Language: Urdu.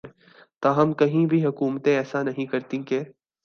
تاہم کہیں بھی حکومتیں ایسا نہیں کرتیں کہ